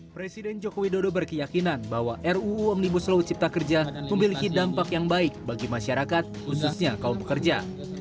presiden joko widodo berkeyakinan bahwa ruu omnibus law cipta kerja memiliki dampak yang baik bagi masyarakat khususnya kaum pekerja